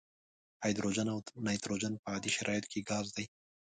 هایدروجن او نایتروجن په عادي شرایطو کې ګاز دي.